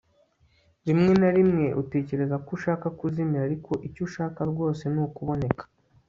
rimwe na rimwe utekereza ko ushaka kuzimira, ariko icyo ushaka rwose ni ukuboneka